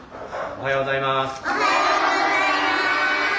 おはようございます。